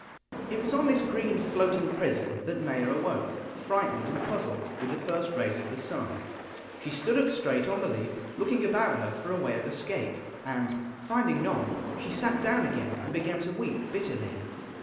It was on this green floating prison that Maia awoke, frightened and puzzled, with the first rays of the sun. She stood up straight on the leaf, looking about her for a way of escape, and, finding none, she sat down again and began to weep bitterly.